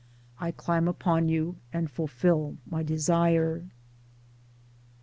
I climb upon you and fulfil my desire.